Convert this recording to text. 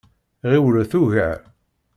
Ɣiwlet ugar!